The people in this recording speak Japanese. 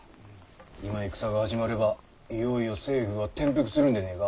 今戦が始まればいよいよ政府は転覆するんでねぇか。